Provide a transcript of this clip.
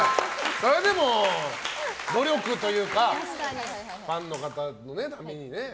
それは、努力というかファンの方のためにね。